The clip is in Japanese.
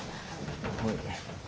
はい。